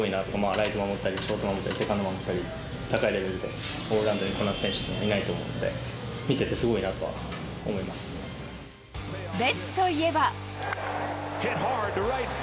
ライト守ったり、ショート守ったり、セカンド守ったり、高いレベルでオールラウンドでこなす選手はいないと思うので、ベッツといえば。